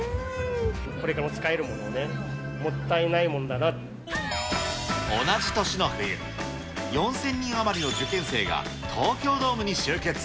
これからも使えるのにね、同じ年の冬、４０００人余りの受験生が東京ドームに集結。